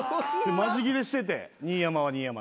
マジギレしてて新山は新山で。